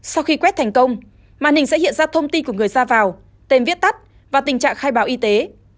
sau khi quét thành công màn hình sẽ hiện ra thông tin của người ra vào tên viết tắt và tình trạng khai báo y tế